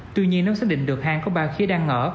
tuy nhiên nếu xác định được hàng có ba khía đang ở